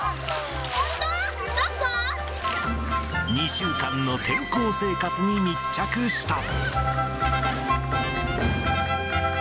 ２週間の転校生活に密着した。